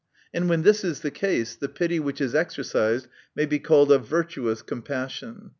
And when this is the case, the pity which is exercised may be called a virtuous compassion.